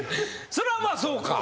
それはまあそうか。